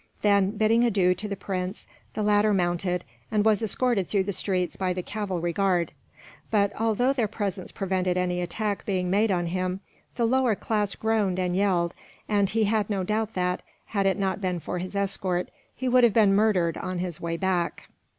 Then, bidding adieu to the prince, the latter mounted, and was escorted through the streets by the cavalry guard. But although their presence prevented any attack being made on him, the lower class groaned and yelled, and he had no doubt that, had it not been for his escort, he would have been murdered on his way back.